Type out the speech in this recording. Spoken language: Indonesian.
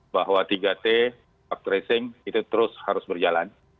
bahwa tiga t fundraising itu terus harus berjalan